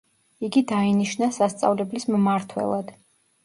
იგი დაინიშნა სასწავლებლის მმართველად.